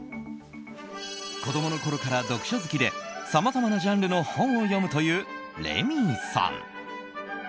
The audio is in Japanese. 子供のころから読書好きでさまざまなジャンルの本を読むというレミイさん。